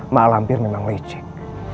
mak lampir memang licik